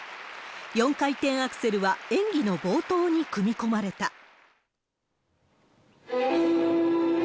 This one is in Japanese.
４回転アクセルは演技の冒頭に組み込まれた。